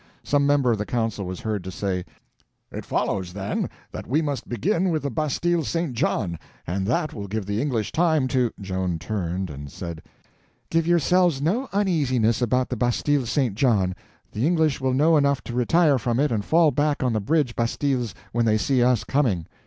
Some member of the council was heard to say: "It follows, then, that we must begin with the bastille St. John, and that will give the English time to—" Joan turned and said: "Give yourselves no uneasiness about the bastille St. John. The English will know enough to retire from it and fall back on the bridge bastilles when they see us coming."